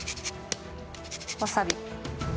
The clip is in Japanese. わさび。